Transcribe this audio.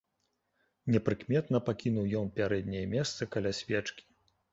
Непрыкметна пакінуў ён пярэдняе месца каля свечкі.